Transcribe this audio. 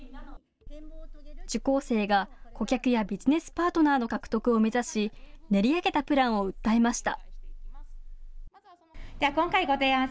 受講生が顧客やビジネスパートナーの獲得を目指し練り上げたプランを訴えました。